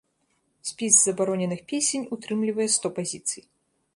Спіс забароненых песень утрымлівае сто пазіцый.